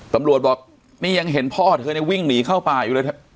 ตำรวจบอกนี่ยังเห็นพ่อเธอเนี่ยวิ่งหนีเข้าป่าอยู่เลย